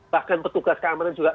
bahkan petugas keamanan juga